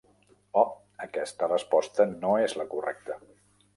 Oh, aquesta resposta no és la correcta.